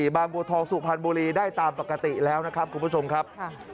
บางบัวทองสุพรรณบุรีได้ตามปกติแล้วนะครับคุณผู้ชมครับ